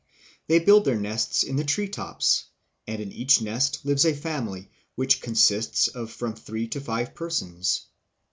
They build their nests in the treetops and in each nest lives a family, which only consists of from three to five persons.